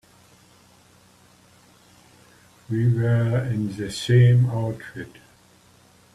We were in the same outfit.